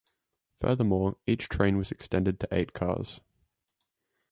Furthermore, each train was extended to eight cars.